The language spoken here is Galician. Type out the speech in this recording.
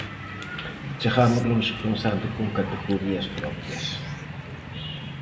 Chegamos lonxe pensando con categorías propias.